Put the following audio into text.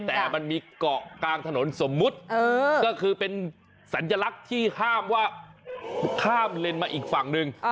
แต่มันมีเกาะกลางถนนสมมุติก็คือเป็นสัญลักษณ์ที่ห้ามว่าข้ามเลนมาอีกฝั่งหนึ่ง